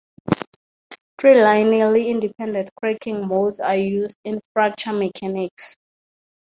Three linearly independent cracking modes are used in fracture mechanics.